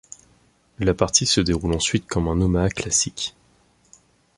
La partie se déroule ensuite comme un omaha classique.